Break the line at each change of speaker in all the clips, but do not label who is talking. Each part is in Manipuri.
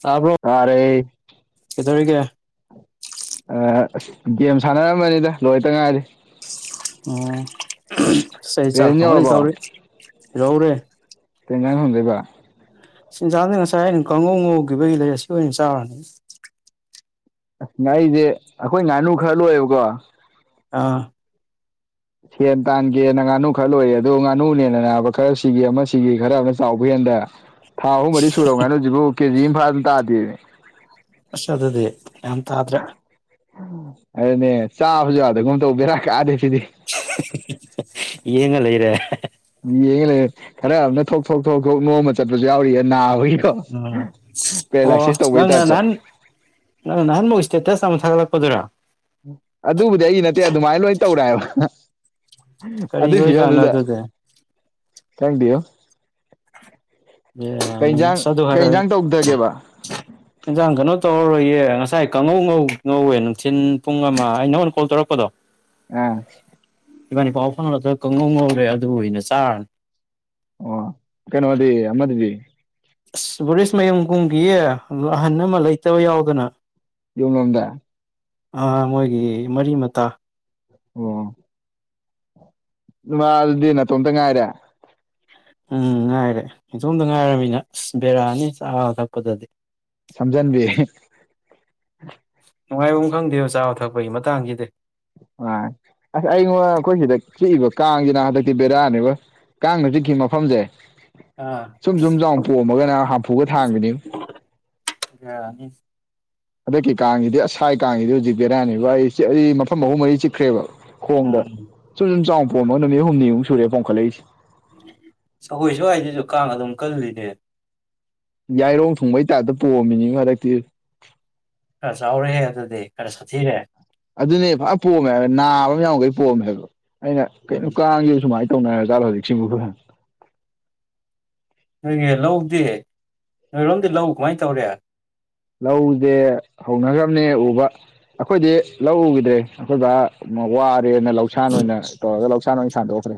ꯇꯥꯕ꯭ꯔꯣ
ꯇꯥꯔꯦ
ꯀꯪꯗꯧꯔꯤꯒꯦ
ꯑ ꯑꯁ ꯒꯦꯝ ꯁꯥꯟꯅꯔꯝꯕꯅꯤꯗ ꯂꯣꯏꯇ ꯉꯥꯏꯔꯤ꯫
ꯑ ꯆꯩ ꯆꯥꯛ
ꯔꯦꯟ
ꯊꯣꯕꯗꯤ
ꯌꯧꯔꯕꯣ
ꯇꯧꯔꯤ ꯌꯧꯔꯦ
ꯀꯩꯟꯖꯥꯡꯗꯣꯡꯗꯤꯕ
ꯆꯤꯟꯖꯥꯛꯁꯤ ꯉꯁꯥꯏ ꯑꯩꯅ ꯀꯥꯡꯉꯧ ꯉꯧꯈꯤꯕꯒꯤ ꯂꯩ ꯑꯁꯤ ꯑꯣꯏꯅ ꯆꯥꯔꯅꯤ꯫
ꯑꯁ ꯉꯥ ꯑꯩꯗꯤ ꯑꯩꯈꯣꯏ ꯉꯥꯅꯨ ꯈꯔ ꯂꯣꯏꯌꯦꯕꯀꯣ
ꯑꯥ
ꯁꯦꯟ ꯇꯥꯟꯒꯦꯅ ꯉꯥꯅꯨ ꯈꯔ ꯂꯣꯏꯔꯦ ꯑꯗꯣ ꯉꯥꯅꯨꯅꯦꯅ ꯅꯥꯕ ꯈꯔ ꯁꯤꯒꯤ ꯑꯃ ꯁꯤꯒꯤ ꯈꯔ ꯑꯃ ꯆꯥꯎꯕ ꯍꯦꯟꯗ ꯊꯥ ꯑꯍꯨꯝ ꯃꯔꯤ ꯁꯨꯔꯕ ꯉꯥꯅꯨ ꯖꯤꯕꯨ ꯀꯦꯖꯤ ꯑꯃꯝꯐꯥꯅ ꯇꯥꯗꯦꯅꯦ
ꯑꯁ ꯑꯗꯨꯗꯤ ꯌꯥꯝ ꯇꯥꯗ꯭ꯔꯦ
ꯑꯗꯨꯅꯦ ꯆꯥꯕꯖꯨ ꯌꯥꯗꯒꯨꯝ ꯇꯧ ꯕꯦꯔꯥ ꯀꯥꯗꯦ ꯁꯤꯗꯤ
ꯌꯦꯡꯉ ꯂꯩꯔꯦ
ꯌꯦꯡꯉ ꯂꯩꯦ ꯈꯔ ꯑꯃꯅ ꯊꯣꯛ ꯊꯣꯛ ꯊꯣꯛ ꯊꯣꯛ ꯅꯣꯝꯃ ꯆꯠꯄꯁꯨ ꯌꯥꯎꯔꯤꯌꯦ ꯅꯥ ꯕꯒꯤ
ꯎꯝ
ꯄꯦꯔꯂꯥꯢꯁꯤꯁ ꯇꯧꯕꯩ ꯇꯥꯢꯞꯇ
ꯅꯪ ꯅꯍꯥꯟꯃꯨꯛ ꯏꯁꯇꯦꯇꯁ ꯑꯃ ꯊꯥꯒꯠꯂꯛꯄꯗꯨꯔꯥ
ꯑꯗꯨꯕꯨꯗꯤ ꯑꯩ ꯅꯠꯇꯦ ꯑꯗꯨꯃꯥꯏꯅ ꯂꯣꯏ ꯇꯧꯔꯦꯑꯕ ꯑꯗꯨ
ꯀꯔꯤꯒꯤ ꯑꯣꯏꯖꯥꯠꯅꯣ
ꯐꯤꯕꯝꯗꯨꯗ
ꯑꯗꯨꯗꯤ
ꯀꯪꯗꯦꯑꯣ
ꯕꯦꯔꯥꯅꯤ
ꯀꯩꯟꯖꯥꯡ
ꯑꯁ ꯑꯗꯨ
ꯀꯩ ꯌꯦꯟꯖꯥꯡ ꯇꯧꯗꯒꯦꯕ
ꯌꯦꯟꯖꯥꯡ ꯀꯩꯅꯣ ꯇꯧꯔꯔꯣꯏꯌꯦ ꯉꯁꯥꯏ ꯀꯥꯡꯉꯧ ꯉꯧ ꯉꯧꯋꯦ ꯅꯨꯡꯊꯤꯟ ꯄꯨꯡ ꯑꯃ ꯑꯩ ꯅꯪꯉꯣꯟꯗ ꯀꯣꯜ ꯇꯧꯔꯛꯄꯗꯣ
ꯑ
ꯏꯕꯥꯅꯤ ꯏꯄꯥꯎ ꯐꯥꯎꯅꯔꯗ ꯀꯪꯉꯧ ꯉꯧꯔꯦ ꯑꯗꯨꯕꯨ ꯍꯩꯅ ꯆꯥꯔꯅꯤ
ꯑꯣ ꯀꯩꯅꯣꯗꯤ ꯑꯃꯗꯨꯗꯤ?
ꯑꯁ ꯕꯣꯔꯤꯁ ꯃꯌꯨꯝꯒꯨꯝꯒꯤꯌꯦ ꯑꯍꯟ ꯑꯃ ꯂꯩꯇꯕ ꯌꯥꯎꯗꯅ꯫
ꯌꯨꯝꯂꯣꯝꯗ?
ꯑ ꯃꯣꯏꯒꯤ ꯃꯔꯤ ꯃꯇꯥ꯫
ꯑꯣ ꯃꯥ ꯑꯗꯨꯗꯤ ꯅꯥꯇꯣꯝꯇ ꯉꯥꯏꯔꯦ?
ꯎꯝ ꯉꯥꯏꯔꯦ ꯏꯗꯣꯝꯗ ꯉꯥꯏꯔꯕꯃꯤꯅ ꯑꯁ ꯕꯦꯔꯥꯅꯤ ꯆꯥꯕ ꯊꯛꯄꯗꯗꯤ꯫
ꯁꯝꯖꯟꯕꯤ
ꯅꯨꯡꯉꯥꯏꯕ ꯈꯪꯗꯦꯕ ꯆꯥꯕ ꯊꯛꯄꯒꯤ ꯃꯇꯥꯡꯁꯤꯗꯤ
ꯑ ꯑꯁ ꯑꯩꯉꯣꯟ ꯑꯩꯈꯣꯏ ꯁꯤꯗ ꯆꯤꯛꯏꯕ ꯀꯥꯡꯁꯤꯅ ꯍꯟꯗꯛꯇꯤ ꯕꯦꯔꯥꯅꯦꯕ ꯀꯥꯡꯅ ꯆꯤꯛꯈꯤ ꯃꯐꯝꯁꯦ
ꯑꯥ
ꯁꯨꯝ ꯁꯨꯝ ꯆꯥꯎ ꯄꯣꯝꯃꯒꯅ ꯍꯥꯝꯐꯨꯒ ꯊꯥꯡꯕꯅꯤ
ꯌꯥꯅꯤ
ꯍꯟꯗꯛꯀꯤ ꯀꯥꯡꯁꯤꯗꯤ ꯑꯁꯥꯏ ꯀꯥꯡꯁꯤꯗꯤ ꯍꯧꯖꯤꯛ ꯕꯦꯔꯥꯅꯦꯕ ꯑꯩ ꯑꯩ ꯃꯐꯝ ꯑꯍꯨꯝ ꯃꯔꯤ ꯆꯤꯛꯈ꯭ꯔꯦꯕ ꯈꯣꯡꯗ
ꯎꯝ
ꯁꯨꯝ ꯁꯨꯝ ꯆꯥꯎ ꯄꯣꯝꯃ ꯅꯨꯃꯤꯠ ꯍꯨꯝꯅꯤꯃꯨꯛ ꯁꯨꯔꯦ ꯄꯣꯡꯈꯠꯂꯛꯏꯁꯦ
ꯁꯒꯣꯏ ꯁ꯭ꯋꯥꯏꯗꯁꯨ ꯀꯥꯡ ꯑꯗꯨꯝ ꯀꯜꯂꯤꯅꯦ
ꯌꯥꯏꯔꯣꯡ ꯊꯨꯡꯕꯩ ꯇꯥꯏꯞꯇ ꯄꯣꯑꯝꯃꯤꯅꯤ ꯍꯟꯗꯛꯇꯤ
ꯈꯔ ꯆꯥꯎꯔꯦ ꯑꯗꯨꯗꯤ ꯈꯔ ꯁꯥꯊꯤꯔꯦ꯫
ꯑꯗꯨꯅꯦ ꯐꯔ ꯄꯣꯝꯃꯦ ꯍꯥꯏꯕ ꯅꯥꯕ ꯑꯃ ꯌꯥꯎꯈꯩ ꯄꯣꯝꯃꯦ ꯍꯥꯏꯕ ꯑꯩꯅ
ꯎꯝ
ꯀꯩꯅꯣ ꯀꯥꯡꯈꯤꯕ ꯁꯨꯃꯥꯏꯅ ꯇꯧꯅ ꯥꯖꯥꯠꯂ ꯍꯧꯖꯤꯛꯁꯤꯕꯨ
ꯅꯣꯏꯒꯤ ꯂꯧꯗꯤ ꯅꯣꯏꯔꯣꯝꯗꯤ ꯂꯧ ꯀꯃꯥꯏꯅ ꯇꯧꯔꯦ?
ꯂꯧꯖꯦ ꯍꯧꯅꯈ꯭ꯔꯕꯅꯦ ꯎꯕ꯫ ꯑꯩꯈꯣꯏꯗꯤ ꯂꯧ ꯎꯈꯤꯗ꯭ꯔꯦ ꯑꯩꯈꯣꯏꯕꯥ ꯋꯥꯔꯦꯅ ꯂꯧ ꯂꯧꯁꯥꯟ ꯑꯣꯏꯅ ꯇꯧꯔꯒ ꯂꯧꯁꯥꯟ ꯑꯣꯏꯅ ꯁꯥꯟꯗꯣꯛꯈ꯭ꯔꯦ꯫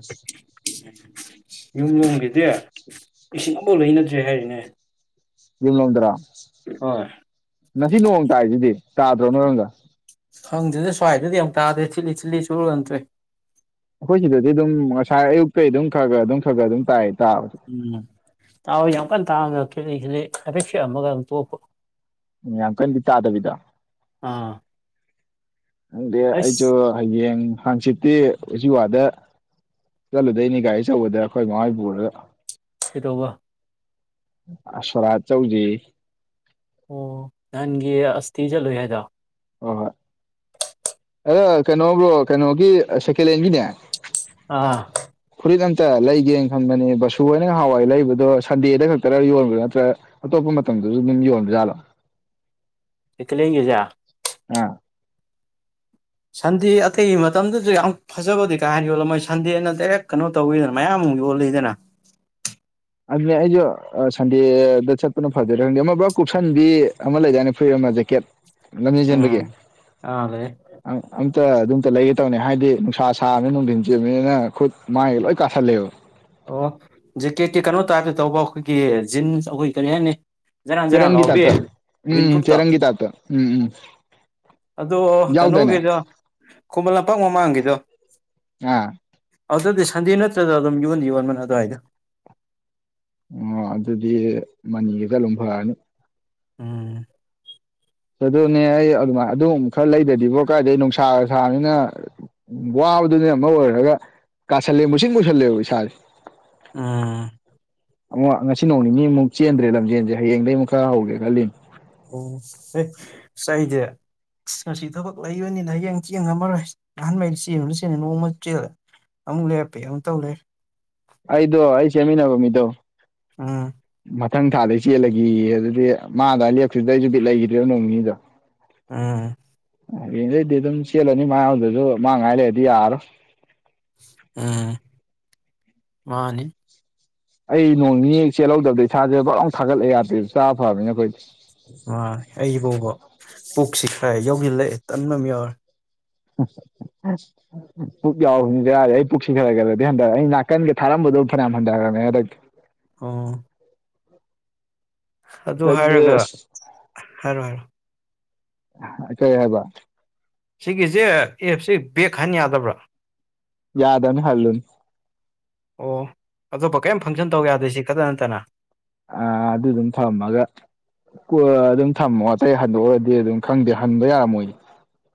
ꯌꯨꯝ ꯂꯣꯝꯒꯤꯗꯤ ꯏꯁꯤꯡ ꯑꯐꯥꯎ ꯂꯩꯅꯗ꯭ꯔꯦ ꯍꯥꯏꯔꯤꯅꯦ꯫
ꯌꯨꯝꯂꯣꯝ ꯗ꯭ꯔꯥ?
ꯍꯣꯏ
ꯉꯁꯤ ꯅꯣꯡ ꯇꯥꯁꯤꯗꯤ ꯇꯥꯗ꯭ꯔꯣ ꯅꯣꯏꯔꯝꯗ?
ꯈꯪꯗꯗ ꯁ꯭ꯋꯥꯏꯗꯗꯤ ꯌꯥꯝ ꯇꯥꯗ꯭ꯔꯦ ꯊꯤꯠꯂꯤ ꯊꯤꯠꯂꯤ ꯆꯨꯔꯟꯗ꯭ꯔꯦ
ꯑꯩꯈꯣꯏ ꯁꯤꯗꯗꯤ ꯑꯗꯨꯝ ꯉꯁꯥꯏ ꯑꯌꯨꯛꯇꯒꯤ ꯑꯗꯨꯝ ꯈꯔꯒ ꯑꯗꯨꯝ ꯈꯔꯒ ꯑꯗꯨꯝ ꯇꯥꯏ ꯇꯥꯕꯁꯨ
ꯎꯝ ꯇꯥꯎ ꯌꯥꯝ ꯀꯟꯅ ꯇꯥꯎ ꯅꯠ ꯈꯤꯠꯂꯤ ꯈꯤꯠꯂꯤ ꯍꯥꯏꯐꯦꯠ ꯈꯤꯛꯑꯝꯃꯒ ꯑꯗꯨꯝ ꯇꯣꯞꯄ
ꯎꯝ ꯌꯥꯝ ꯀꯟꯗꯤ ꯇꯥꯗꯕꯤꯗꯣ
ꯑꯥ
ꯈꯪꯗꯦ ꯑꯩꯖꯨ
ꯑꯩꯁ
ꯍꯌꯦꯡ ꯍꯪꯆꯤꯠꯇꯤ ꯎꯆꯤꯋꯥꯗ ꯆꯠꯂꯨꯗꯩꯅꯦ ꯒꯥꯔꯤ ꯆꯧꯕꯗ ꯑꯩꯈꯣꯏ ꯃꯥꯍꯣꯏ ꯄꯨꯔꯒ
ꯀꯩꯗꯧꯕ
ꯑꯥ ꯁꯣꯔꯥꯠ ꯆꯧꯖꯦꯌꯦ
ꯑꯣ ꯅꯍꯥꯟꯒꯤ ꯑꯁꯇꯤ ꯆꯠꯂꯨꯏ ꯍꯥꯏꯗꯣ
ꯍꯣ ꯍꯣꯏ ꯑ ꯀꯩꯅꯣ ꯕ꯭ꯔꯣ ꯀꯩꯅꯣꯒꯤ ꯁꯦꯀꯦꯂꯦꯟꯒꯤꯅꯦ
ꯑꯥ
ꯐꯨꯔꯤꯠ ꯑꯝꯇ ꯂꯩꯒꯦ ꯈꯟꯕꯅꯦ ꯕꯁꯨꯍꯣꯏꯅ ꯉꯍꯥꯟꯋꯥꯏ ꯂꯩꯕꯗꯣ ꯁꯟꯗꯦꯗ ꯈꯛꯇꯔ ꯌꯣꯟꯕ꯭ ꯅꯠꯇ꯭ꯔ ꯑꯇꯣꯞꯄ ꯃꯇꯝꯗꯖꯨ ꯑꯗꯨꯝ ꯌꯣꯟꯕꯖꯥꯠꯂꯣ
ꯑꯦꯀꯂꯦꯒꯤꯖꯦ
ꯑꯥ
ꯁꯟꯗꯦ ꯑꯇꯩꯒꯤ ꯃꯇꯝꯗꯗꯤ ꯌꯥꯝ ꯐꯖꯕꯗꯤ ꯀꯥꯍꯦꯟ ꯌꯣꯜꯂꯝꯃꯣꯏ ꯁꯟꯗꯦꯅ ꯗꯥꯏꯔꯦꯛ ꯀꯅꯣ ꯇꯧꯏꯗꯅ ꯃꯌꯥꯝ ꯌꯣꯜꯂꯤꯗꯅ
ꯑꯗꯨꯅꯦ ꯑꯩꯖꯨ ꯑ ꯁꯟꯗꯦꯗ ꯆꯠꯄꯅ ꯐꯗꯣꯏꯔ ꯈꯪꯗꯦ ꯑꯃ ꯄꯨꯔꯞ ꯀꯨꯞꯁꯟꯕꯤ ꯑꯃ ꯂꯩꯗꯥꯏꯅꯦ ꯐꯨꯔꯤꯠ ꯑꯃ ꯖꯦꯀꯦꯠ ꯂꯝꯖꯦꯟ
ꯎꯝ
ꯆꯦꯟꯕꯒꯤ
ꯑꯥ ꯂꯩ
ꯑꯝ-ꯑꯝꯇ ꯑꯗꯨꯝꯇ ꯂꯩꯒꯦ ꯇꯧꯅꯦ ꯍꯥꯏꯗꯤ ꯅꯨꯡꯁꯥ ꯁꯥꯕꯅꯤꯅ ꯅꯨꯡꯗꯤꯟ ꯆꯦꯕꯅꯤꯅ ꯈꯨꯠ ꯃꯥꯏꯒ ꯂꯣꯏ ꯀꯥꯁꯜꯂꯦꯕ
ꯑꯣ ꯖꯦꯀꯦꯠꯀꯤ ꯀꯩꯅꯣ ꯇꯥꯏꯞꯇ ꯇꯧꯕ ꯑꯩꯈꯣꯏꯒꯤ ꯖꯤꯟꯁ ꯑꯩꯈꯣꯏ ꯀꯔꯤ ꯍꯥꯏꯅꯤ ꯖꯔꯥꯟ ꯖꯔꯥꯟ
ꯆꯦꯔꯪꯒꯤ
ꯂꯥꯎꯕꯤ
ꯇꯥꯏꯞꯇ ꯎꯝ
ꯋꯤꯟꯄ꯭ꯔꯨꯞꯇꯣ
ꯆꯦꯔꯪꯒꯤ ꯇꯥꯏꯞꯇ ꯎꯝ ꯎꯝ
ꯑꯗꯣ
ꯌꯥꯎꯗꯥꯏꯅꯦ
ꯀꯩꯅꯣꯒꯤꯗꯣ ꯈꯨꯃꯟ ꯂꯝꯄꯥꯛ ꯃꯃꯥꯡꯒꯤꯗꯣ
ꯑꯥ
ꯑꯗꯨꯗꯤ ꯁꯟꯗꯦ ꯅꯠꯇ꯭ꯔꯒ ꯑꯗꯨꯝ ꯌꯣꯟꯗꯤ ꯌꯣꯟꯕꯅꯦ ꯑꯗꯨꯋꯥꯏꯗꯣ
ꯑꯣ ꯑꯗꯨꯗꯤ ꯃꯅꯤꯒ ꯆꯠꯂꯨꯝ ꯐꯔꯅꯤ
ꯎꯝ
ꯑꯗꯨꯅꯦ ꯑꯩ ꯑꯗꯨꯃꯥꯏ ꯑꯗꯨꯝ ꯈꯔ ꯂꯩꯗꯗꯤꯕꯣ ꯀꯥꯏꯗꯩ ꯅꯨꯡꯁꯥꯒ ꯁꯥꯥꯝꯅꯤꯅ ꯋꯥꯕꯗꯨꯅꯦ ꯑꯃ ꯑꯣꯏꯔꯒ ꯀꯥꯁꯜꯂꯦ ꯃꯨꯁꯤꯟ ꯃꯨꯁꯜꯂꯦꯕ ꯏꯁꯥꯖꯦ
ꯎꯝ
ꯑꯃꯨꯛ ꯉꯁꯤ ꯅꯣꯡ ꯅꯤꯅꯤꯃꯨꯛ ꯆꯦꯟꯗ꯭ꯔꯦ ꯂꯝꯖꯦꯟꯖꯦ ꯍꯌꯦꯡꯗꯩꯃꯨꯛ ꯈꯔ ꯍꯧꯒꯦ ꯈꯜꯂꯤꯝ
ꯑꯣ ꯍꯦ ꯑꯩꯗꯤ ꯉꯁꯤ ꯊꯕꯛ ꯂꯩꯕꯅꯤꯅ ꯍꯌꯦꯡ ꯆꯦꯟꯉꯝꯃꯔꯣꯏ ꯑꯍꯥꯟꯕꯩ ꯆꯦꯟꯕꯗꯩ ꯆꯦꯟꯗꯦ ꯅꯣꯡꯃ ꯆꯦꯜꯂꯦꯒ ꯑꯃꯨꯛ ꯂꯦꯞꯄꯦ ꯑꯃꯨꯛ ꯇꯧ ꯂꯩꯔꯦ
ꯑꯩꯗꯣ ꯑꯩ ꯆꯦꯟꯃꯤꯟꯅꯕ ꯃꯤꯗꯣ
ꯑ
ꯃꯊꯪ ꯊꯥꯗꯩ ꯆꯦꯜꯂꯒꯦꯌꯦ ꯑꯗꯨꯗꯤ ꯃꯥ ꯑꯗꯥꯏ ꯂꯦꯞꯈꯤꯕꯗꯨꯗꯩ ꯑꯩꯖꯨ ꯕꯤꯠ ꯂꯩꯒꯤꯗ꯭ꯔꯦ ꯑꯩꯖꯨ ꯅꯣꯡ ꯅꯤꯅꯤꯗ
ꯎꯝ
ꯍꯌꯦꯡꯗꯩꯗꯤ ꯑꯗꯨꯝ ꯆꯦꯜꯂꯅꯤ ꯃꯥ ꯌꯥꯎꯗꯖꯨ ꯃꯥ ꯉꯥꯏ ꯂꯩꯔꯗꯤ ꯌꯥꯔꯣꯏ
ꯎꯝ ꯃꯥꯅꯤ
ꯑꯩ ꯅꯣꯡꯅꯤꯍꯦꯛ ꯆꯦꯜꯍꯧꯗꯕꯗ ꯏꯁꯥꯖꯦ ꯕꯛ ꯂꯥꯎ ꯊꯥꯒꯠꯂꯦ ꯌꯥꯗꯦ ꯆꯥꯕ ꯐꯕꯅꯤꯅ ꯑꯩꯈꯣꯏꯗꯤ
ꯃꯥꯅꯦ ꯑꯩꯕꯧꯕ ꯄꯨꯛꯁꯤ ꯈ꯭ꯔ ꯌꯧꯖꯤꯜꯂꯛꯑꯦ ꯇꯟꯕꯝ ꯌꯥꯎꯔꯦ
[unintelligible] ꯄꯨꯛ ꯌꯥꯎꯃꯤ ꯕꯦꯔꯥꯅꯦ ꯑꯩ ꯄꯨꯛꯁꯤ ꯈꯔ ꯈꯔꯗꯤ ꯍꯟꯊꯔ ꯑꯩ ꯅꯥꯀꯟꯒ ꯊꯥꯔꯝꯕꯗꯣ ꯐꯅꯌꯥꯝ ꯍꯟꯗꯔꯝꯃꯦ ꯍꯟꯗꯛꯇꯤ
ꯑꯣ ꯑꯗꯨ
ꯈꯪꯗꯦ
ꯍꯥꯏꯔꯒ
ꯑꯁ
ꯍꯥꯏꯔꯣ ꯍꯥꯏꯔꯣ
ꯀꯩ ꯍꯥꯏꯕ
ꯁꯤꯒꯤꯖꯦ ꯑꯦꯞꯁꯦ ꯕꯦꯛ ꯍꯟ ꯌꯥꯗꯕ꯭ꯔꯥ
ꯌꯥꯗꯝꯅꯦ ꯍꯜꯂꯨꯅꯨ
ꯑꯣ ꯑꯇꯣꯞꯄ ꯀꯦꯝ ꯐꯪꯁꯟ ꯇꯧ ꯌꯥꯗꯦ ꯁꯤ ꯈꯠꯇ ꯅꯠꯇꯅ
ꯑ ꯑꯗꯨꯗꯨꯝ ꯊꯝꯃꯒ ꯑꯗꯨꯝ ꯊꯝꯃꯣ ꯑꯇꯩ ꯍꯟꯗꯣꯛꯑꯔꯗꯤ ꯑꯗꯨꯝ ꯈꯪꯗꯦ ꯍꯟꯕ ꯌꯥꯔꯃꯣꯏꯗꯤ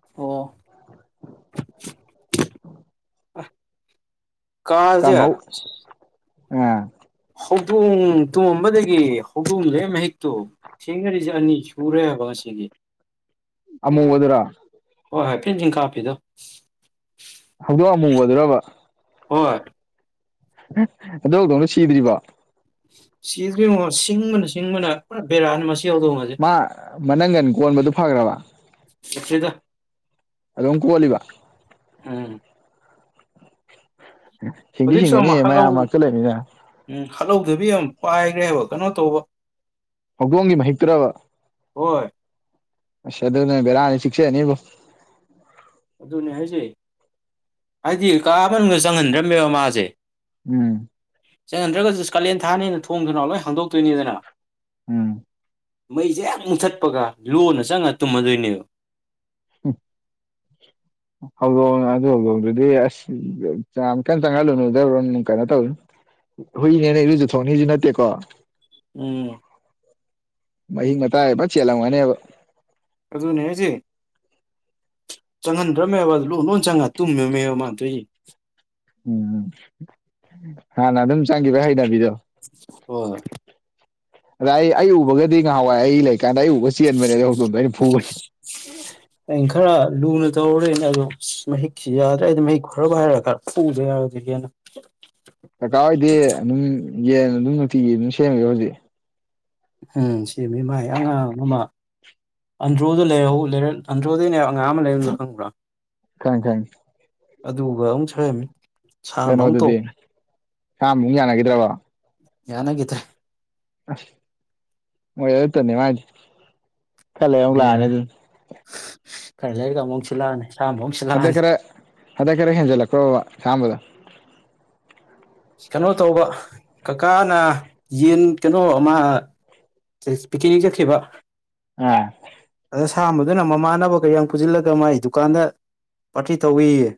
ꯑꫭ [inaudible] [inaudible]
ꯀꯥꯡꯪꯍꯧ ꯑ
ꯍꯧꯗꯣꯡ ꯇꯨꯝꯝꯕꯗꯒꯤ ꯍꯧꯗꯣꯡꯗꯦ ꯃꯍꯤꯛꯇꯨ ꯊꯦꯡꯅꯔꯤꯁꯦ ꯑꯅꯤ ꯁꯨꯔꯦ ꯍꯥꯏꯕ ꯑꯁꯤꯒꯤ
ꯑꯃꯨ ꯑꯣꯗꯨ꯭ꯔꯥ
ꯍꯣꯏ ꯍꯣꯏ ꯄ꯭ꯔꯤꯟꯇꯤꯡ ꯀꯥꯞꯄꯤꯤꯗꯣ
ꯍꯧꯗꯣꯛ ꯑꯃꯨ ꯑꯣꯏꯗ꯭ꯔꯕ
ꯍꯣꯏ
ꯑꯗꯨꯧꯗꯧꯅ ꯁꯤꯗ꯭ꯔꯤꯕ
ꯁꯤꯁꯤꯉꯣ ꯁꯤꯡꯕꯅ ꯁꯤꯡꯕꯅ ꯄꯨꯔꯥ ꯕꯦꯔꯥꯅ ꯃꯁꯤꯡ
ꯃꯥ ꯃꯅꯪꯒꯟ ꯀꯣꯟꯕꯗꯨ ꯐꯈ꯭ꯔꯕ
ꯆꯆꯦꯗ
ꯑ ꯀꯣꯜꯕꯥ
ꯎꯝ
ꯁꯤꯡꯗꯤ
ꯍꯧꯖꯤꯛꯁꯨ ꯑꯃ
ꯁꯤꯡꯒꯅꯤꯍꯦ ꯃꯌꯥꯝ
ꯍꯠꯂꯧ
ꯃꯔ ꯆ ꯂꯩꯅꯤꯅ
ꯎꯝ ꯍꯥꯠꯍꯧꯗꯕꯤ ꯌꯥꯝ ꯄꯥꯏꯈ꯭ꯔꯦꯕ ꯀꯩꯅꯣ ꯇꯧꯕ
ꯍꯧꯗꯣꯡꯒꯤ ꯃꯍꯤꯛꯇ꯭ꯔꯕ
ꯍꯣꯏ
ꯑꯁ ꯑꯗꯨꯅꯦ ꯕꯦꯔꯥꯅꯤ ꯆꯤꯛꯆꯅꯤꯕꯣ
ꯑꯗꯨꯅꯦ ꯍꯥꯏꯁꯦ ꯍꯥꯏꯗꯤ ꯀꯥꯃꯟꯒ ꯆꯪꯍꯟꯗ꯭ꯔꯝꯃꯦꯕ ꯃꯥꯁꯦ
ꯎꯝ
ꯆꯪꯍꯟꯗ꯭ꯔꯒꯁꯨ ꯀꯥꯂꯦꯟ ꯊꯥꯅ ꯍꯦꯅ ꯊꯣꯡꯗꯨꯅ ꯂꯣꯏ ꯍꯥꯡꯗꯣꯛꯇꯣꯏꯅꯤꯗꯅ
ꯎꯝ
ꯃꯩꯁꯦ ꯌꯥꯝ ꯃꯨꯊꯠꯄꯒ ꯂꯣꯟꯅ ꯆꯪꯉꯒ ꯇꯨꯝꯃꯗꯣꯏꯅꯦꯕ
ꯎꯝ
[inaudible]
ꯍꯗ ꯑꯗꯨ꯭ꯔꯗꯤ ꯑꯁ ꯀ ꯆꯪꯣ ꯗꯦꯕ ꯀꯩꯅ ꯇꯧ ꯍꯨꯏꯅꯦꯅꯦ ꯏꯔꯨꯖ ꯊꯣꯡꯅꯤꯁꯨ ꯅꯠꯇꯦꯀꯣ
ꯎꯝ
ꯃꯍꯤꯡ ꯃꯇꯥꯏ ꯍꯥꯏꯕ ꯆꯦꯜꯂꯝꯒꯅꯦꯕ
ꯑꯗꯨꯅꯦ ꯍꯧꯖꯤ ꯆꯪꯍꯟꯗ꯭ꯔꯕꯃꯦꯕ ꯑꯗꯨ ꯂꯨ ꯅꯣꯏ ꯆꯪꯉ ꯇꯨꯝꯃꯦꯕ ꯃꯥꯥꯟꯗꯣꯏꯁ
ꯎꯝ ꯍꯥꯟꯅ ꯑꯗꯨꯝ ꯆꯪꯈꯤꯕ ꯍꯩꯅꯕꯤꯗꯣ
ꯍ
ꯑꯗ ꯑꯩ ꯎꯕꯒꯗꯤ ꯉꯍꯥꯎꯋꯥꯏ ꯑꯩ ꯂꯩꯀꯥꯟꯗ ꯑꯩ ꯎꯕꯒ ꯆꯦꯟꯕꯅꯦ ꯑꯗꯨ ꯍꯧꯖꯤꯣꯗꯣ ꯑꯩꯅ ꯐꯨꯕꯅꯤ
ꯎꯝ ꯑ ꯈꯔ ꯂꯨꯅ ꯇꯧꯔꯨꯔꯦꯅ ꯑꯗꯣ ꯃꯍꯤꯛꯁꯤ ꯌꯥꯗ꯭ꯔꯦ ꯑꯩꯗꯤ ꯃꯍꯤꯛ ꯈꯔꯕ ꯍꯥꯏꯔꯒ ꯈꯔ ꯄꯖ ꯍꯥꯏ ꯑꯣꯏꯖꯤ ꯌꯥꯝꯅ
ꯆꯀꯥꯔ ꯍꯣꯏꯗꯤ ꯑꯗꯨꯝ ꯌꯦꯟ ꯑꯗꯨꯝ ꯅꯨꯡꯇꯤꯒꯤ ꯑꯗꯨꯝ ꯁꯦꯝꯃꯦꯣ ꯍꯧꯖꯤꯛ
ꯎꯝ ꯁꯤ ꯃꯤ ꯃꯥꯏ ꯑꯉꯥꯡ ꯑꯃ ꯑꯟꯗ꯭ꯔꯣꯗ ꯂꯩꯔ ꯂꯩꯔ ꯑꯟꯗ꯭ꯔꯣꯗꯅꯦ ꯑꯉꯥꯡ ꯑꯃ ꯂꯩꯔꯝꯗ ꯈꯪꯕ꯭ꯔꯥ
ꯇꯥꯏ ꯇꯥꯏ
ꯑꯗꯨꯒ ꯑꯃꯨꯛ ꯁ ꯍꯥꯏꯔꯝꯃꯤ
ꯀꯩꯅꯣꯗꯨꯗꯤ ꯁꯥꯃꯨꯛ ꯌꯥꯅꯈꯤꯗ꯭ꯔꯕ
ꯌꯥꯅꯒꯤꯗ
ꯑꯁ ꯍꯣꯏ ꯇꯅꯤ ꯃꯥ
ꯕꯦꯔꯥ ꯈꯔ ꯂꯩꯔꯒ ꯑꯃꯨꯛꯨꯛ ꯁꯤꯂꯛꯑꯅꯤ ꯁꯥ ꯑꯃꯨꯛ ꯁꯤꯜꯂꯛꯑꯅꯤ
ꯑꯗ ꯀꯔꯦ ꯍꯦꯟꯖꯂ ꯀꯣ ꯁꯥꯝꯕꯗ
ꯀꯩꯅꯣ ꯇꯧꯕ ꯀꯀꯥꯅ ꯌꯦꯟ ꯀꯩꯅꯣ ꯑꯃ ꯄꯤꯛꯅꯤ ꯆꯠꯈꯤꯕ
ꯑ
ꯑꯗ ꯁꯥꯝꯕꯗꯨꯅ ꯃꯃꯥꯟꯅꯕ ꯀꯩꯌꯥꯝ ꯄꯨꯁꯤꯜꯂꯒ ꯃꯥꯥꯏ ꯗꯨꯀꯥꯟꯗ ꯄꯥꯔꯇꯤ ꯇꯧꯏꯌꯦ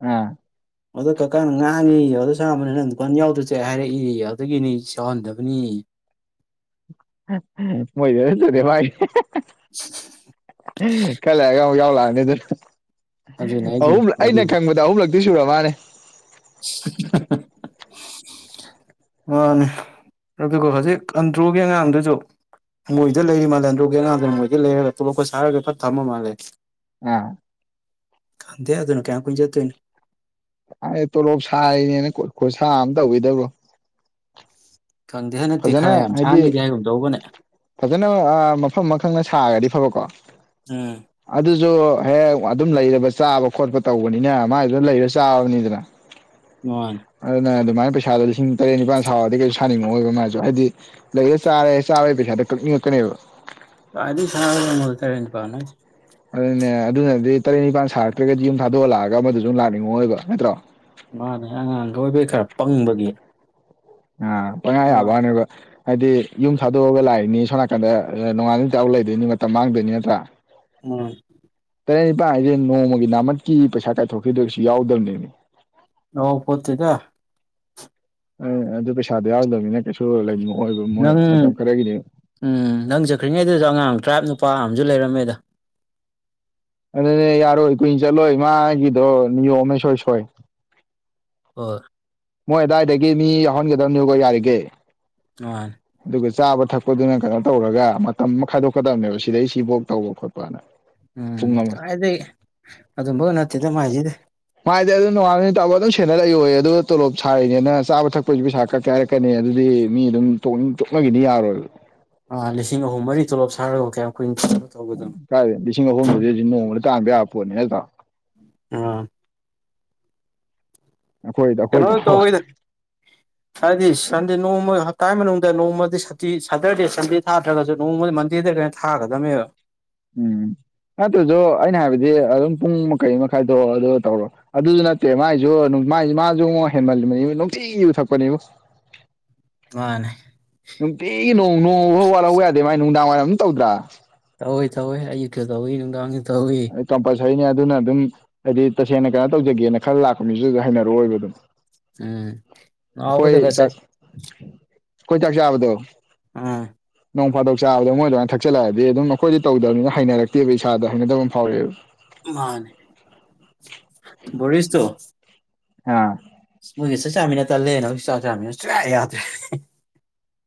ꯑ
[inaudible] ꯑꯗꯣ ꯀꯀꯥꯅ ꯉꯥꯡꯉꯤ ꯑꯗꯣ ꯁꯥꯥꯡꯕꯅꯤ ꯅꯪ ꯗꯨꯀꯥꯟ ꯌꯥꯎꯗ꯭ꯔꯁꯦ ꯍꯥꯏꯔꯛꯏ ꯑꯗꯨꯗꯒꯤꯅꯤ ꯁꯧꯍꯟꯗꯕꯅꯤ
ꯃꯣꯏꯖꯁꯨꯗꯦ ꯃꯥꯒꯤ
ꯎ
ꯈꯜꯂꯑꯒ ꯑꯃꯨꯛ ꯌꯥꯎ ꯂꯥꯛꯑꯅꯤ ꯑꯗꯨꯅ
ꯑꯗꯨꯅꯦ ꯑꯩꯁꯦ
ꯑꯍꯨꯝꯂ
ꯋꯥꯔꯤ
ꯑꯩꯅ ꯈꯪꯕꯗ ꯑꯍꯨꯝꯂꯛꯇꯤ ꯁꯨꯔ ꯃꯥꯜꯅꯦ
[unintelligible] ꯃꯥꯅꯦ ꯑꯗꯨꯒ ꯍꯧꯖꯤꯛ ꯑꯟꯗ꯭ꯔꯣꯒꯤ ꯑꯉꯥꯡꯗꯨꯁꯨ ꯃꯣꯏꯗ ꯂꯩꯔꯤ ꯃꯥꯜꯂꯦ ꯑꯟꯗ꯭ꯔꯣꯒꯤ ꯑꯉꯥꯡꯗꯣ ꯃꯣꯏꯗ ꯂꯩꯔꯒ ꯇꯣꯞꯄꯣꯏꯀꯥ ꯁꯥꯔꯒ ꯐꯥ ꯊꯝꯃ ꯃꯥꯜꯂꯦ
ꯎꯝ
ꯈꯥꯟꯗꯦ ꯑꯗꯨꯅ ꯀꯌꯥꯝ ꯀꯨꯏ ꯆꯠꯇꯣꯏꯅꯣ
ꯀꯥꯏ ꯇꯣꯂꯣꯞ ꯁꯥꯏꯔꯤꯅꯦꯅ ꯈꯠꯁꯥ ꯑꯃ ꯇꯧꯋꯤꯗꯕꯣ
ꯈꯪꯗꯦ ꯍꯟꯗꯛꯇꯤ
ꯐꯖꯅ
ꯈꯔ ꯌꯥꯝ
ꯍꯥꯏꯗꯤ
ꯁꯥꯟꯅꯦꯗꯤ ꯍꯥꯏꯒꯨꯝ ꯇꯧꯕꯅꯦ
ꯐꯖꯅ ꯑꯥ ꯃꯐꯝ ꯑꯃꯈꯪꯅ ꯁꯥꯔꯒꯗꯤ ꯐꯕꯀꯣ
ꯎꯝ
ꯑꯗꯨꯁꯨ ꯍꯦꯛ ꯑꯗꯨꯝ ꯂꯩꯔꯕ ꯆꯥꯕ ꯈꯣꯠꯄ ꯇꯧꯕꯅꯤꯅ ꯃꯥꯥꯏꯗꯨ ꯂꯩꯔ ꯆꯥꯕꯅꯤꯗꯅ
[inaudible]
ꯑꯗꯨꯅ ꯑꯗꯨꯃꯥꯏꯅ ꯄꯩꯁꯥꯗꯣ ꯂꯤꯁꯤꯡ ꯇꯔꯦꯠ ꯅꯤꯄꯥꯥꯟ ꯁꯥꯥꯎꯑꯣꯗꯤ ꯀꯩꯁꯨ ꯁꯥꯅꯤꯡ ꯉꯣꯏꯕ ꯃꯥꯁꯨ ꯍꯥꯏꯗꯤ ꯂꯩꯔ ꯆꯥꯔꯦ ꯆꯥꯕꯩ ꯄꯩꯁꯥꯗ ꯀꯛꯅꯤꯡꯉꯛꯀꯅꯦꯕ
ꯀꯥꯏꯗꯩ ꯊꯥ ꯑꯃꯥꯗ ꯇꯔꯦꯠ ꯅꯤꯄꯥꯟꯅꯣ
ꯑꯗꯨꯅꯦ ꯑꯗꯨꯅꯗꯤ ꯇꯔꯦꯠ ꯅꯤꯄꯥꯥꯟ ꯁꯥꯔꯛꯇ꯭ꯔꯒꯗꯤ ꯌꯨꯝ ꯊꯥꯗꯣꯛꯑꯂꯛꯑꯒ ꯑꯃꯗꯨ ꯁꯨ ꯂꯥꯛꯅꯤꯡꯉꯛꯑꯣꯏꯕ ꯅꯠꯇ꯭ꯔꯣ
ꯃꯥꯅꯦ ꯑꯉꯥꯡꯒ ꯑꯣꯏꯕꯩ ꯈꯔ ꯄꯪꯕꯒꯤ
ꯑ ꯄꯪꯌꯥ ꯌꯥꯕꯋꯥꯅꯦꯕꯥ ꯍꯥꯏꯗꯤ ꯌꯨꯝ ꯊꯥꯗꯣꯛꯑꯒ ꯂꯥꯛꯏꯅꯤ ꯁꯣꯝ ꯅꯥꯀꯟꯗ ꯅꯣꯡꯉꯥꯝꯗꯩ ꯅꯨꯃꯤꯠ ꯇꯥꯕꯧ ꯂꯩꯗꯣꯏꯅꯤ ꯃꯇꯝ ꯃꯥꯡꯗꯣꯏꯅꯤ ꯅꯠꯇ꯭ꯔꯥ
ꯎꯝ
ꯇꯔꯦꯠ ꯅꯤꯄꯥꯥꯟ ꯍꯥꯏꯁꯦ ꯅꯣꯡꯃꯒꯤ ꯅꯥꯝꯃꯠꯀꯤ ꯄꯩꯁꯥ ꯀꯥꯏꯊꯣꯛꯈꯤꯗ꯭ꯔꯁꯨ ꯌꯥꯎꯗꯝꯅꯦꯃꯤ
[inaudible]
ꯑ ꯑꯗꯨ ꯄꯩꯁꯥꯗꯣ ꯌꯥꯎꯗꯕꯅꯤꯅ ꯀꯩꯁꯨ ꯂꯩꯅꯤꯡꯉꯛ ꯑꯣꯏꯕ ꯃꯣꯏ
ꯅꯪ
ꯃꯇꯝ ꯈꯔꯒꯤꯗꯤ
ꯎꯝ ꯅꯪ ꯆꯈ꯭ꯔꯤꯉꯩꯗꯨꯁꯨ ꯑꯉꯥꯡ ꯇꯔꯥꯞ ꯅꯨꯄꯥ ꯑꯃꯁꯝꯨ ꯂꯩꯔꯝꯃꯦꯗ
ꯑꯗꯨꯅꯦ ꯌꯥꯔꯣꯏ ꯀꯨꯏ ꯆꯠꯂꯣꯏ ꯃꯥꯒꯤꯗꯣ ꯅꯤꯌꯣꯝꯃꯥ ꯏꯁꯣꯏ ꯁꯣꯏ
ꯍꯣꯏ
ꯃꯣꯏ ꯑꯗꯥꯏꯗꯒꯤ ꯃꯤ ꯌꯥꯎꯍꯟꯒꯗꯝꯅꯦꯕꯀꯣ ꯌꯥꯔꯤꯒꯩ
ꯃꯥꯅꯦ
ꯑꯗꯨꯒ ꯆꯥꯕ ꯊꯛꯄꯗꯨꯅ ꯀꯩꯅꯣ ꯇꯧꯔꯒ ꯃꯇꯝ ꯑꯃ ꯈꯥꯏꯗꯣꯛꯀꯗꯕꯅꯦꯕ ꯁꯤꯗꯩ ꯁꯤꯐꯥꯎ ꯇꯧꯕ ꯈꯣꯠꯄꯅ
ꯎꯝ
ꯄꯨꯡ ꯑꯃ
ꯀꯥꯏꯗꯩ ꯑꯗꯨꯝꯕꯒ ꯅꯠꯇꯦꯗ ꯃꯥꯏꯁꯤꯗꯤ
ꯃꯥꯥꯏꯗꯤ ꯑꯗꯨꯝ ꯅꯣꯉꯥꯝꯗꯩ ꯅꯨꯃꯤꯠ ꯇꯥꯕꯧ ꯑꯗꯨꯝ ꯁꯦꯟꯅꯔ ꯂꯩꯌꯣꯌꯦ ꯑꯗꯨ ꯇꯣꯂꯣꯞ ꯁꯥꯔꯤꯅꯦꯅ ꯆꯥꯕ ꯊꯛꯄꯩꯖꯨ ꯄꯩꯁꯥ ꯀꯛꯀꯦ ꯍꯥꯏꯔꯛ ꯀꯅꯤ ꯑꯗꯨꯗꯤ ꯃꯤ ꯑꯗꯨꯝ ꯇꯣꯛꯅꯤꯡ ꯇꯣꯛꯅꯒꯤꯅꯤ ꯌꯥꯔꯣꯏꯕ
ꯑꯥ ꯂꯤꯁꯤꯡ ꯑꯍꯨꯝ ꯃꯔꯤ ꯇꯣꯂꯣꯞ ꯁꯥꯔꯒ ꯀꯌꯥꯝ ꯀꯨꯏꯅ ꯇꯧꯒꯗꯕꯅꯣ
ꯀꯥꯏ ꯂꯤꯁꯤꯡ ꯑꯍꯨꯝꯗꯨꯗꯤ ꯍꯧꯖꯤ ꯅꯣꯡꯃꯗ ꯇꯥꯡꯕ ꯌꯥꯕ ꯄꯣꯠꯅꯦ ꯅꯠꯇ꯭ꯔꯥ
ꯎꯝ
ꯑꯩꯈꯣꯏ ꯑꯩꯈꯣꯏ
ꯀꯩꯅꯣ
ꯇꯧ
ꯇꯧꯋꯤꯗ ꯍꯥꯏꯕꯗꯤ ꯁꯟꯗꯦ ꯅꯣꯡꯃ ꯍꯞꯇꯥꯏ ꯃꯅꯨꯡꯗ ꯅꯣꯡꯃꯗꯤ ꯁꯨꯇꯤ ꯁꯇꯔꯗꯦ ꯁꯟꯗꯦ ꯊꯥꯗ꯭ꯔꯒꯁꯨ ꯅꯣꯡꯃꯗꯤ ꯃꯟꯗꯦꯗ ꯊꯥꯒꯗꯝꯅꯦꯕ
ꯎꯝ ꯑꯗꯨꯗꯣ ꯑꯩꯅ ꯍꯥꯏꯕꯗꯤ ꯑꯗꯨꯝ ꯄꯨꯡ ꯃꯈꯩ ꯃꯈꯥꯏꯗꯣ ꯑꯗꯨ ꯇꯧꯔꯣ ꯑꯗꯨꯁꯨ ꯅꯠꯇꯦ ꯃꯥꯏꯁꯨ ꯃꯥꯁꯨꯉꯣ ꯍꯦꯟꯃꯜꯂꯤꯕꯅꯤ ꯅꯨꯡꯇꯤꯒꯤ ꯌꯨ ꯊꯛꯄꯅꯦꯕꯨ
ꯃꯥꯅꯦ
ꯅꯨꯡꯇꯤꯒꯤ ꯅꯣꯡ ꯅꯣꯡꯐꯥꯎ ꯋꯥꯠꯍꯧꯕ ꯌꯥꯗꯦ ꯃꯥꯏ ꯅꯨꯡꯗꯥꯡꯋꯥꯏꯝ ꯑꯗꯨꯝ ꯇꯧꯗ꯭ꯔꯥ
ꯇꯧꯋꯦ ꯇꯧꯋꯦ ꯑꯌꯨꯛꯁꯨ ꯇꯧꯋꯤ ꯅꯨꯡꯗꯥꯡꯁꯨ ꯇꯧꯏ
ꯀꯝꯄꯜꯁꯔꯤꯅꯦ ꯑꯗꯨꯅ ꯑꯗꯨꯝ ꯍꯥꯏꯗꯤ ꯇꯁꯦꯡꯅ ꯀꯩꯅꯣ ꯇꯧꯖꯒꯦꯅ ꯈꯜꯂꯥ ꯂꯥꯛꯄ ꯃꯤꯁꯨ ꯑꯗꯨ ꯍꯩꯅꯔꯛꯑꯣꯏꯕ ꯑꯗꯨꯝ
ꯎꯝ
ꯑꯩꯈꯣꯏ
ꯅꯥꯎꯕꯗꯒ
ꯆꯥꯛ
ꯆꯠ
ꯑꯩꯈꯣꯏ ꯆꯥꯛ ꯆꯥꯕꯗꯣ
ꯑꯥ
ꯅꯣꯡ ꯐꯥꯗꯣꯛ ꯆꯥꯕꯗ ꯃꯣꯏ ꯑꯗꯨꯃꯥꯏꯅ ꯊꯛꯆꯜꯂꯛꯑꯗꯤ ꯑꯗꯨꯝ ꯑꯩꯈꯣꯏꯗꯤ ꯇꯧꯗꯅꯤꯅ ꯍꯩꯅꯔꯛꯇꯦꯕ ꯏꯁꯥꯗ ꯍꯩꯅꯗꯕ ꯐꯥꯎꯛꯑꯦꯕ
ꯃꯥꯅꯦ ꯕꯣꯔꯤꯁ ꯇꯣ
ꯑꯥ
ꯃꯣꯏꯒ ꯆꯥꯛ ꯆꯥꯃꯤꯅ ꯇꯜꯂꯦ ꯅ ꯍꯧꯁꯨ ꯆꯥꯛ ꯆꯥꯃꯤꯅ ꯆꯦ ꯁꯨꯌꯥ ꯌꯥꯗ꯭ꯔꯦ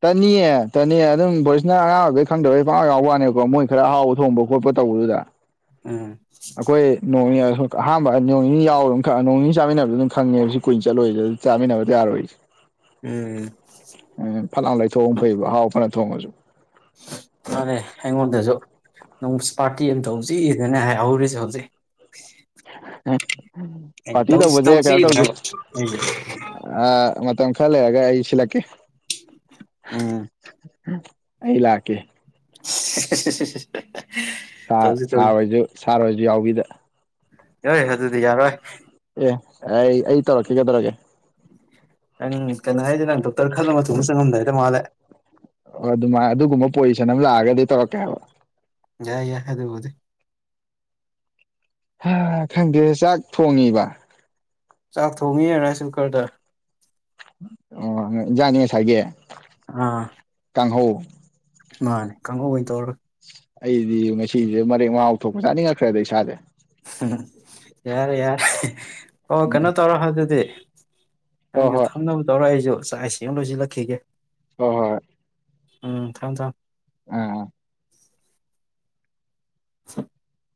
ꯇꯟꯅꯤꯌꯦ ꯇꯅꯤꯌꯦ ꯑꯗꯨꯝ ꯕꯣꯔꯤꯁꯅ ꯑꯉꯥꯡ ꯑꯣꯏꯕꯩ ꯈꯪꯗꯕꯩ ꯄꯪꯌꯥꯎ ꯌꯥꯎꯕꯩ ꯋꯥꯅꯦꯕꯀꯣ ꯃꯣꯏ ꯈꯔ ꯍꯥꯎꯕ ꯊꯣꯡꯕ ꯈꯣꯠꯄ ꯇꯧꯕꯗꯨꯗ
ꯎꯝ
ꯑꯩꯈꯣꯏ ꯅꯣꯡꯅꯤ ꯑꯍꯥꯟꯕ ꯅꯣꯡ ꯅꯤ ꯌꯥꯎꯔ ꯑꯗꯨꯝ ꯈ ꯅꯣꯡ ꯅꯤ ꯆꯥꯃꯤꯟꯅꯕꯗꯨ ꯑꯗꯨꯝ ꯈꯪꯉꯕ ꯁꯤ ꯀꯨꯏꯟ ꯆꯠꯂꯣꯏꯁꯤꯗ ꯆꯥꯃꯤꯟꯅꯕ ꯌꯥꯔꯣꯏꯁꯦ
ꯎꯝ
ꯐꯠꯂꯥꯡ ꯂꯩꯊꯣꯛ ꯐꯩꯕ ꯑꯍꯥꯎ ꯐꯅ ꯊꯣꯡꯉꯁꯨ
ꯃꯥꯅꯦ ꯑꯩꯉꯣꯟꯗꯁꯨ ꯅ ꯄꯥꯔꯇꯤ ꯑꯃ ꯇꯧꯁꯤꯛꯗꯅꯦ ꯍꯥꯏꯍꯧꯔꯤꯁꯦ ꯍꯧꯖꯤꯛ
[unintelligible]
ꯑꯩꯅꯥ ꯇꯧꯁꯤ [unintelligible]
ꯑꯥ ꯃꯇꯝ ꯈꯥꯂꯩꯔꯥꯒ ꯑꯩ ꯁꯤꯂꯛꯀꯦ
ꯎꯝ
ꯑꯩ ꯂꯛꯀꯦ
[unintelligible]
ꯁꯥ ꯁꯥꯔ
ꯇꯧꯁꯤ
ꯍꯣꯏꯁꯨ ꯁꯥꯔ ꯍꯣꯏꯁꯨ ꯌꯥꯎꯕꯤꯗ
[unintelligible] ꯑꯗꯨꯗꯤ ꯌꯥꯔꯣꯏ
ꯑꯦ ꯑꯩ ꯑꯩ ꯇꯧꯔꯛꯈꯤꯀꯗꯧꯔꯒꯦ
ꯅꯪ ꯀꯩꯅꯣ ꯍꯥꯏꯁꯦ ꯅꯪ ꯗꯣꯛꯇꯔ ꯈꯜꯂ ꯃꯊꯨꯡ ꯆꯪꯉꯝꯗꯏꯗ ꯃꯥꯜꯂꯦ
ꯑꯣ ꯑꯗꯨꯃꯥꯏꯅ ꯑꯗꯨꯒꯨꯝꯕ ꯄꯣꯖꯤꯁꯟ ꯑꯃ ꯂꯥꯛꯑꯒꯗꯤ ꯇꯧꯔꯛꯀꯦꯍꯥꯏꯕꯥ
ꯌꯥꯏ ꯌꯥ ꯑꯗꯨꯕꯨꯗꯤ
ꯍꯥ ꯈꯪꯗꯦ ꯆꯥꯛ ꯊꯣꯡꯉꯤꯕ
ꯆꯥꯛ ꯊꯣꯡꯉꯤ ꯔꯥꯏꯁ ꯀꯨꯀꯔꯗ
ꯑꯣ ꯌꯦꯡꯁꯡꯗꯤ ꯉꯁꯥꯏꯒꯤ
ꯑꯥ
ꯀꯥꯡꯍꯧ
ꯃꯥꯅꯦ ꯀꯥꯡꯍꯧ ꯑꯣꯏꯟ ꯇꯧꯔ
ꯑꯩꯗꯤ ꯉꯁꯤꯁꯦ ꯃꯔꯦꯛ ꯃꯥꯎ ꯊꯣꯛꯄ ꯆꯥꯅꯤꯡꯉꯛꯈ꯭ꯔꯦꯗ ꯏꯁꯥꯥꯁꯦ
[unintelligible] ꯌꯥꯔꯦ ꯌꯥꯔꯦ ꯑꯣ ꯀꯩꯅꯣ ꯇꯧꯔꯣ ꯑꯗꯨꯗꯤ
ꯍꯣꯏ
ꯅꯪꯁꯨ
ꯍꯣꯏ
ꯊꯝꯅꯕ ꯇꯧꯔꯛ ꯑꯩꯁꯨ ꯆꯥꯛ ꯏꯁꯤꯡ ꯑꯃ ꯂꯣꯏꯁꯤꯜꯂꯛꯈꯤꯒꯦ
ꯍꯣ ꯍꯣꯏ
ꯎꯝ ꯊꯥꯝ ꯊꯝ
[unintelligible]
[inaudible]